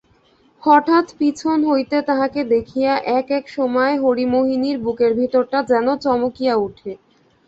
হঠাৎ পিছন হইতে তাহাকে দেখিয়া এক-এক সময় হরিমোহিনীর বুকের ভিতরটা যেন চমকিয়া উঠে।